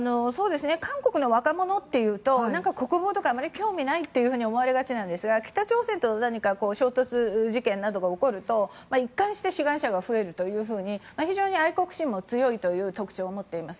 韓国の若者というと国防とかあまり興味ないと思われがちですが北朝鮮と何か衝突事件などが起きると一貫して志願者が増えるというように非常に愛国心も強いという特徴を持っています。